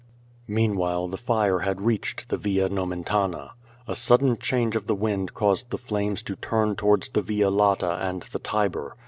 Meanwhile the fire had reached the Via Nomentana. A sudden change of the wind caused the flames to turn towards the Via Lata and the Tiber.